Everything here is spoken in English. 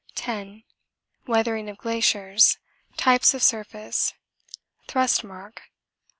10. Weathering of glaciers. Types of surface. (Thrust mark?